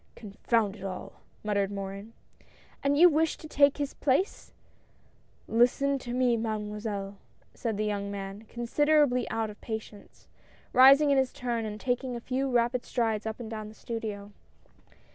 " Confound it all," muttered Morin. " And you wish to take his place ?"" Listen to me. Mademoiselle," said the young man, considerably out of patience, rising in his turn and taking a few rapid strides up and down the studio.